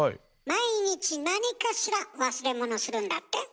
毎日何かしら忘れ物するんだって？